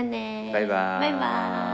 バイバイ。